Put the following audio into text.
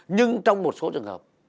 nhưng trong một số trường hợp